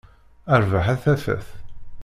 Rrbeḥ a tafat.